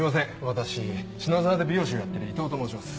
私篠沢で美容師をやってる伊藤と申します。